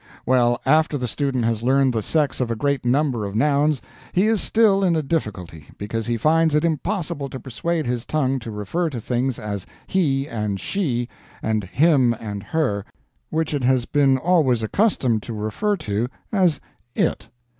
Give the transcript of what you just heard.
Well, after the student has learned the sex of a great number of nouns, he is still in a difficulty, because he finds it impossible to persuade his tongue to refer to things as "he" and "she," and "him" and "her," which it has been always accustomed to refer to as "it."